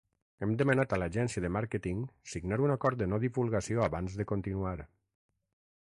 Hem demanat a l'agència de màrqueting signar un acord de no divulgació abans de continuar.